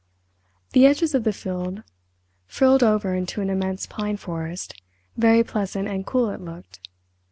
The edges of the field frilled over into an immense pine forest—very pleasant and cool it looked.